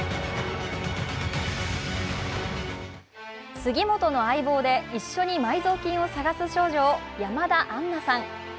杉元の相棒で、一緒に埋蔵金を探す少女を山田杏奈さん。